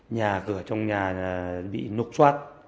nhà cửa trong nhà bị nục xoát